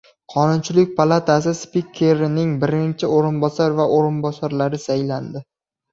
Qonunchilik palatasi Spikerining birinchi o‘rinbosari va o‘rinbosarlari saylandi